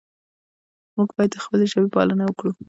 موږ باید د خپلې ژبې پالنه وکړو.